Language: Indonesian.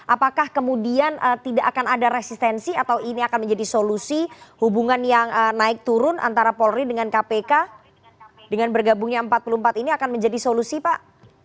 apakah kemudian tidak akan ada resistensi atau ini akan menjadi solusi hubungan yang naik turun antara polri dengan kpk dengan bergabungnya empat puluh empat ini akan menjadi solusi pak